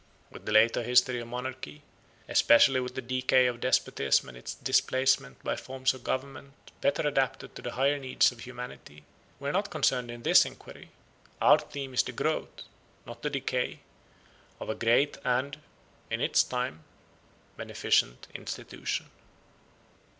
With the later history of monarchy, especially with the decay of despotism and its displacement by forms of government better adapted to the higher needs of humanity, we are not concerned in this enquiry: our theme is the growth, not the decay, of a great and, in its time, beneficent institution.